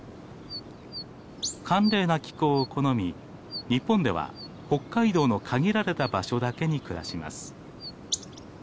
寒冷な気候を好み日本では北海道の限られた場所だけに暮らします。